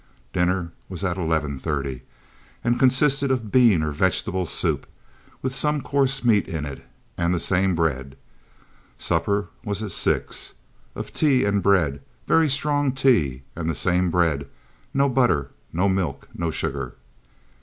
Dinner was at eleven thirty, and consisted of bean or vegetable soup, with some coarse meat in it, and the same bread. Supper was at six, of tea and bread, very strong tea and the same bread—no butter, no milk, no sugar.